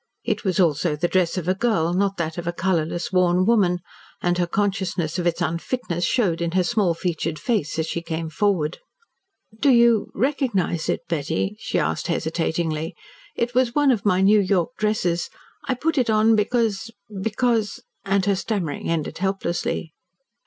It was also the dress of a girl, not that of a colourless, worn woman, and her consciousness of its unfitness showed in her small featured face as she came forward. "Do you recognise it, Betty?" she asked hesitatingly. "It was one of my New York dresses. I put it on because because " and her stammering ended helplessly.